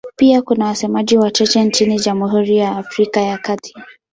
Pia kuna wasemaji wachache nchini Jamhuri ya Afrika ya Kati.